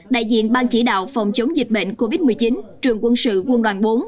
đại diện ban chỉ đạo phòng chống dịch bệnh covid một mươi chín trường quân sự quân đoàn bốn